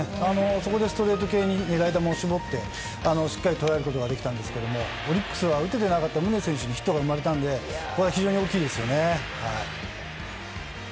そこでストレート系に狙い球を絞ってしっかり捉えることができたんですけれどもオリックスは打ててなかった宗選手にヒットが生まれたのでこれは非常に大きいですよね。